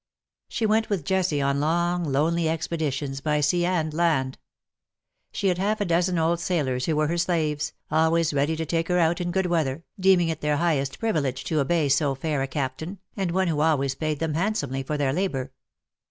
She went with Jessie on long lonely expeditions by sea and land. She had half a dozen old sailors who were her slaves, always ready to take her out in good weather, deeming it their highest privilege to obey so fair a captain^ and one who always paid them handsomely for their labour.